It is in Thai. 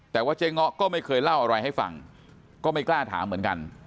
แต่ว่าเจ๊ง้อก็ไม่เคยเล่าอะไรให้ฟังก็ไม่กล้าถามเหมือนกัน